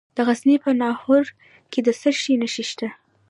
د غزني په ناهور کې د څه شي نښې شته؟